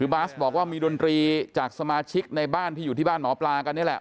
บาสบอกว่ามีดนตรีจากสมาชิกในบ้านที่อยู่ที่บ้านหมอปลากันนี่แหละ